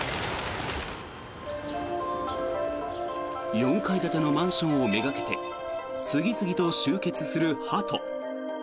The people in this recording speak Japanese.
４階建てのマンションをめがけて、次々と集結するハト。